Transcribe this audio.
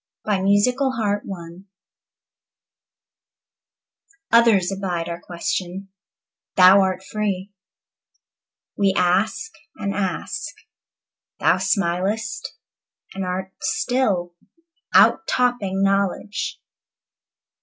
Matthew Arnold Shakespeare OTHERS abide our question. Thou art free. We ask and ask Thou smilest and art still, Out topping knowledge.